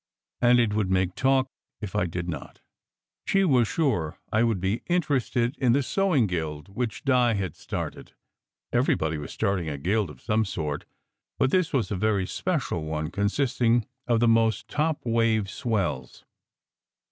And it would make talk if I did not. She was sure I would be interested in the sewing guild which Di had started. Everybody was starting a guild of some sort, but this was a very special one, consisting of the most topwave swells.